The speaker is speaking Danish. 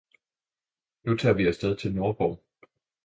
Nu tager vi afsted til Nordborg